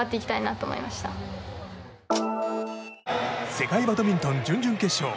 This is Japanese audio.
世界バドミントン準々決勝。